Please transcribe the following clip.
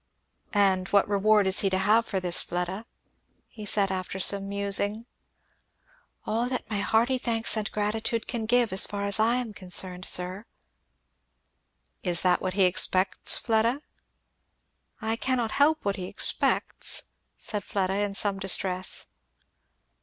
"And what reward is he to have for this, Fleda?" he said after some musing. "All that my hearty thanks and gratitude can give, as far as I am concerned, sir." "Is that what he expects, Fleda?" "I cannot help what he expects," said Fleda, in some distress.